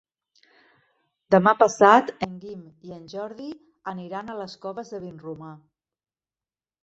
Demà passat en Guim i en Jordi aniran a les Coves de Vinromà.